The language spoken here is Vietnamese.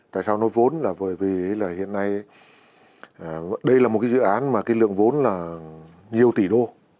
tại sao nói vốn là bởi vì hiện nay đây là một dự án mà cái lượng vốn là nhiều tỷ đô